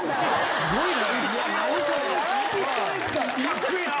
すごいな。